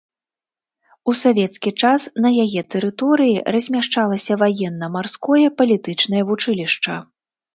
У савецкі час на яе тэрыторыі размяшчалася ваенна-марское палітычнае вучылішча.